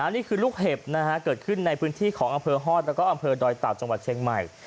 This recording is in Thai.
นี่คือลูกเห็บเกิดขึ้นในพื้นที่ของอำเภอฮอตแล้วก็อำเภอดอยเต่าจังหวัดเชียงใหม่